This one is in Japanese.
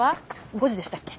５時でしたっけ？